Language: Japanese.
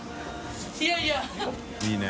い笋い筺いいね。